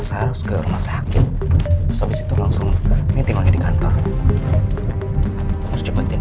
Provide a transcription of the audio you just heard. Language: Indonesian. segera sakit habis itu langsung meeting di kantor cepetin